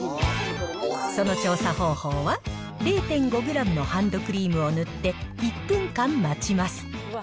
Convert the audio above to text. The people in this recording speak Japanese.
その調査方法は、０．５グラムのハンドクリームを塗って１分間待ちます。